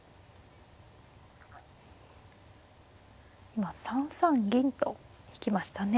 今３三銀と引きましたね。